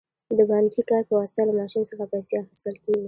د بانکي کارت په واسطه له ماشین څخه پیسې اخیستل کیږي.